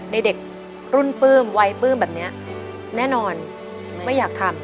เด็กรุ่นปลื้มวัยปลื้มแบบนี้แน่นอนไม่อยากทำ